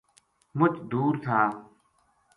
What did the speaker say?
مُچ دُور تھا